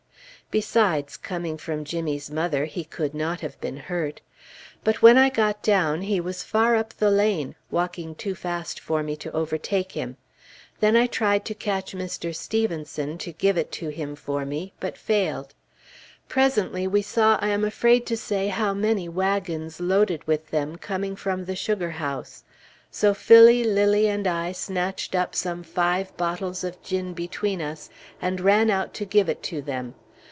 Besides, coming from Jimmy's mother, he could not have been hurt. But when I got down, he was far up the lane, walking too fast for me to overtake him; then I tried to catch Mr. Stephenson, to give it to him for me, but failed. Presently, we saw I am afraid to say how many wagons loaded with them, coming from the sugar house; so Phillie, Lilly, and I snatched up some five bottles of gin, between us, and ran out to give it to them.